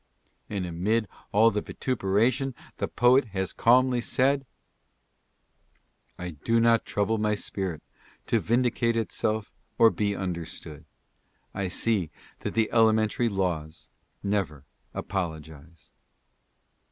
And amid all the vituperation the poet has calmly said :" I do not trouble my spirit to vindicate itself or be understood, I see that the elementary laws never apologize."